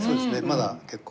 まだ結構。